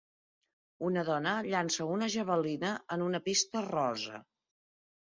Una dona llança una javelina en una pista rosa.